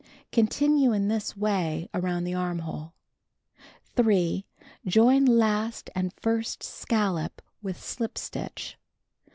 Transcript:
Continue in this way around the armhole. 3. Join last and first scallop with slip stitch.